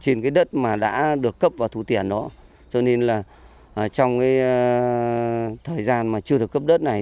trên cái đất mà đã được cấp vào thủ tiền đó cho nên là trong cái thời gian mà chưa được cấp đất này